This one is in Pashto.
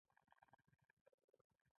له چلم نه یې شنې لوخړې پورته کړې د څکلو.